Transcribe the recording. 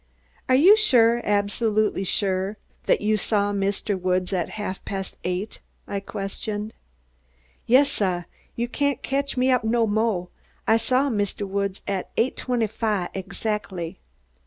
"Are you sure, absolutely sure, that you saw Mr. Woods at half past eight?" I questioned. "Yas, suh! You cain't catch me up no mo'. I saw Mistuh Woods at eight twenty fahv exackly."